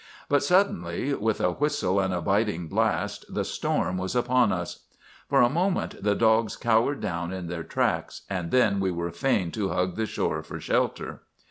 "But suddenly, with a whistle and a biting blast, the storm was upon us. For a moment the dogs cowered down in their tracks, and then we were fain to hug the shore for shelter.